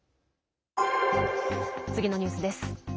次のニュースです。